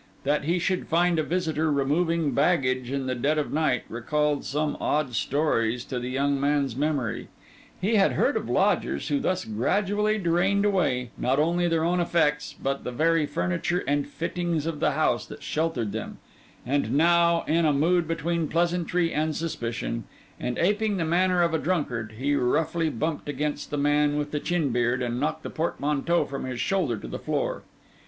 That he should find a visitor removing baggage in the dead of night, recalled some odd stories to the young man's memory; he had heard of lodgers who thus gradually drained away, not only their own effects, but the very furniture and fittings of the house that sheltered them; and now, in a mood between pleasantry and suspicion, and aping the manner of a drunkard, he roughly bumped against the man with the chin beard and knocked the portmanteau from his shoulder to the floor.